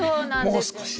もう少し。